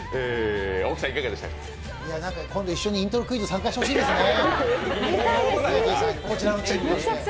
今度、一緒にイントロクイズ参加してほしいですね。